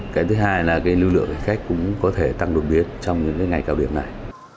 cái thứ hai là lưu lượng hành khách cũng có thể tăng đột biến trong những ngày cao điểm này